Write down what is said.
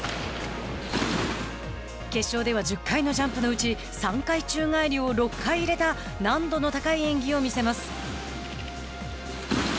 決勝では１０回のジャンプのうち３回宙返りを６回入れた難度の高い演技を見せます。